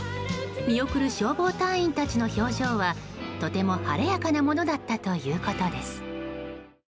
見送る消防隊員たちの表情はとても晴れやかなものだったということです。